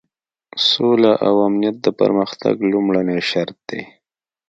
سوله او امنیت د پرمختګ لومړنی شرط دی.